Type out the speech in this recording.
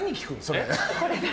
それ。